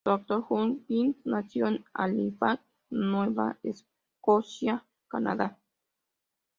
Dr. Huggins nació en Halifax, Nueva Escocia, Canadá.